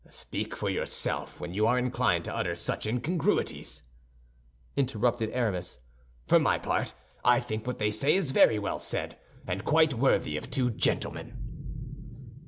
"Speak for yourself when you are inclined to utter such incongruities," interrupted Aramis. "For my part, I think what they say is very well said, and quite worthy of two gentlemen."